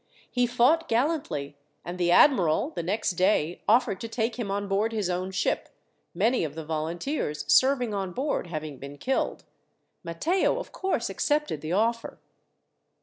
"He fought gallantly, and the admiral, the next day, offered to take him on board his own ship, many of the volunteers serving on board having been killed. Matteo, of course, accepted the offer."